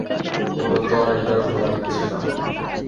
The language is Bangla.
ওরা তো আর এটার ভাড়া দিচ্ছে না।